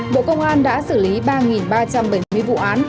bộ công an đã xử lý ba ba trăm bảy mươi vụ án